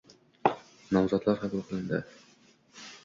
nomzodlar qabul qilindi